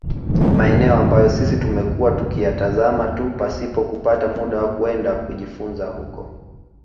Maeneo ambayo sisi tumekuwa tukiyatazama tu pasipo kupata muda wa kwenda kujifunza huko